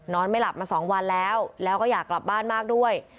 ไม่หลับมา๒วันแล้วแล้วก็อยากกลับบ้านมากด้วย